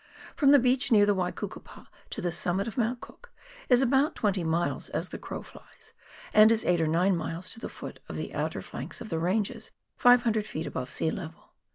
From the beach near the "Waikukupa to the summit of Mount Cook, is about 20 miles as the crow flies, and is 8 or 9 miles to the foot of the outer flanks of the ranges, 500 ft. above sea level.